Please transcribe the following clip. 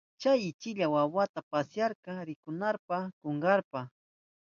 Chay uchilla wawaka pasyakta rikunanpa kunkayarka.